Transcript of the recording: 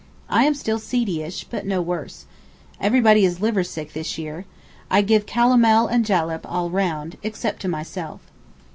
I am still seedy ish, but no worse. Everybody is liver sick this year, I give calomel and jalep all round—except to myself.